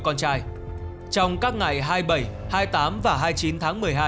con trai trong các ngày hai mươi bảy hai mươi tám và hai mươi chín tháng một mươi hai